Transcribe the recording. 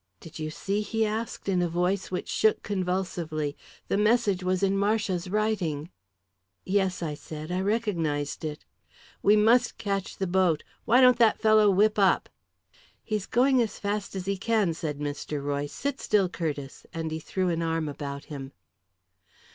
"Did you see?" he asked, in a voice which shook convulsively. "The message was in Marcia's writing." "Yes," I said. "I recognised it." "We must catch the boat. Why don't that fellow whip up?" "He's going as fast as he can," said Mr. Royce. "Sit still, Curtiss," and he threw an arm about him.